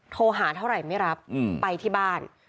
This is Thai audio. โทรหาเท่าไหร่ไม่รับไปที่บ้าน